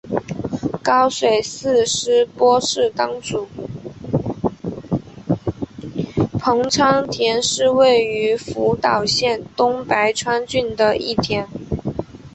棚仓町是位于福岛县东白川郡的一町。